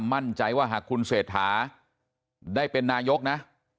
มั่นใจว่าหากคุณเศรษฐาได้เป็นนายกนะ